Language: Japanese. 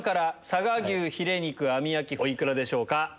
佐賀牛ヒレ肉網焼きお幾らでしょうか？